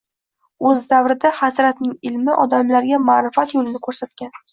O‘z davrida Hazratning ilmi odamlarga ma’rifat yo‘lini ko‘rsatgan.